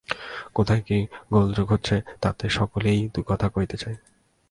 কোথায় কি গোলযোগ হচ্ছে, তাতে সকলেই দু-কথা কইতে চায়।